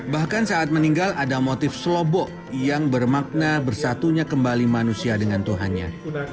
bahkan saat meninggal ada motif slobo yang bermakna bersatunya kembali manusia dengan tuhannya